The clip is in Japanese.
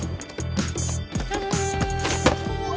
うわ！